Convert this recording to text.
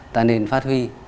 ta nên phát huy